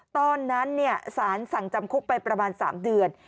ตอนนั้นสารสั่งจำคุกไปประมาณ๓เดือน